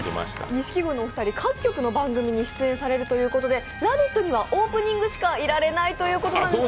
錦鯉のお二人、各局の番組に出演されるということで「ラヴィット！」にはオープニングしかいられないということです。